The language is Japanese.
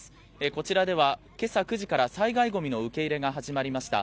こちらでは、けさ９時から災害ごみの受け入れが始まりました。